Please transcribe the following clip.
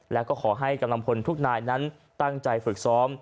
และก็ขอให้กำลังพลทุกนายนั้นตั้งใจฝึกซ้อม